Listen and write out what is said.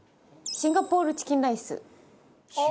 シンガポールチキンライス？